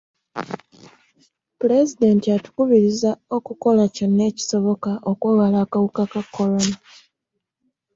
Pulezidenti atukubiriza okukola kyonna ekisoboka okwewala akawuka ka Corona.